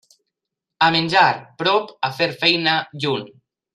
A menjar, prop; a fer feina, lluny.